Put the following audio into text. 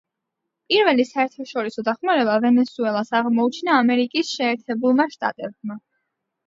პირველი საერთაშორისო დახმარება ვენესუელას აღმოუჩინა ამერიკის შეერთებულმა შტატებმა.